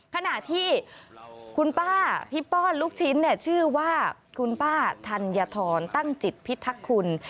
ขณะที่คุณป้าที่ป้อนลูกชิ้นชื่อว่าคุณป้าธัญฑรตั้งจิตพิทักคุณ